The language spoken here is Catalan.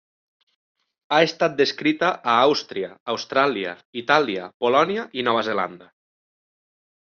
Ha estat descrita a Àustria, Austràlia, Itàlia, Polònia i Nova Zelanda.